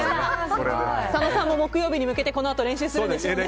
佐野さんも木曜日に向けてこれから練習するんですよね。